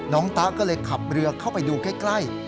ตะก็เลยขับเรือเข้าไปดูใกล้